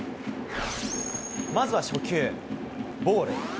まずは初球、ボール。